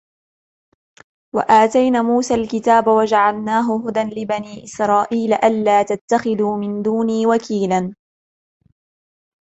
وَآتَيْنَا مُوسَى الْكِتَابَ وَجَعَلْنَاهُ هُدًى لِبَنِي إِسْرَائِيلَ أَلَّا تَتَّخِذُوا مِنْ دُونِي وَكِيلًا